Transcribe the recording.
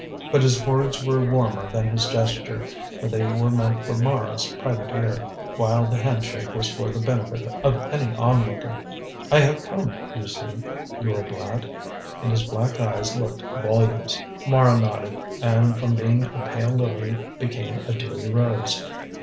But his words were warmer than his gesture, for they were meant for Mara's private ear, while the handshake was for the benefit of any onlooker. "I have come, you see. You are glad?" and his black eyes looked volumes. Mara nodded, and from being a pale lily became a dewy rose.